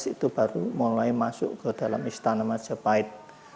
itu baru mulai masuk ke dalam istana majapahit